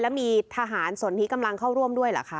แล้วมีทหารสนที่กำลังเข้าร่วมด้วยเหรอคะ